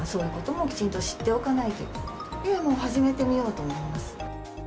もう始めてみようと思います。